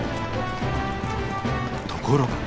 ところが。